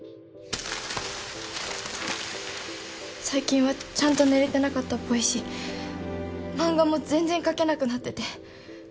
最近はちゃんと寝れてなかったっぽいし漫画も全然描けなくなってて。